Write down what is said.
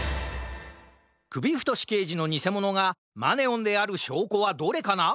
くびふとしけいじのにせものがマネオンであるしょうこはどれかな？